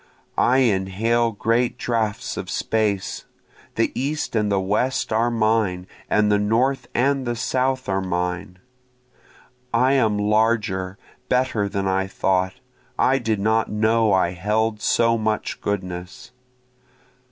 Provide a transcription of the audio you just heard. I inhale great draughts of space, The east and the west are mine, and the north and the south are mine. I am larger, better than I thought, I did not know I held so much goodness.